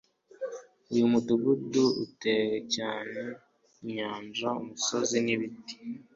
uyu mudugudu utuwe cyane! inyanja, umusozi, n'ibiti